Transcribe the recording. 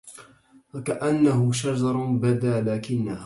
فكأنه شجر بدا لكنها